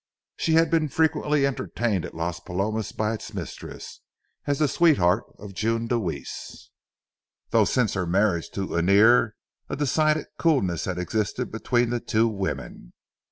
She had been frequently entertained at Las Palomas by its mistress, as the sweetheart of June Deweese, though since her marriage to Annear a decided coolness had existed between the two women.